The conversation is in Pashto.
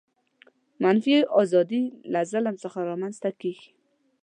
منفي آزادي له ظلم څخه رامنځته کیږي.